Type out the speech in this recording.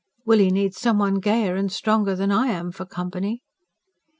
Willie needs some one gayer and stronger than I am, for company."